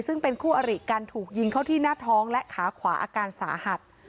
ซึ่งเป็นคู่อริกันถูกยิงเข้าที่หน้าท้องและขาขวาอาการสาหัส